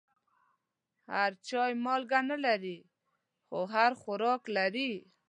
هر چای مالګه نه لري، خو هر خوراک لري.